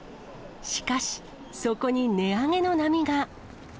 しかし、そこに値上げの波が。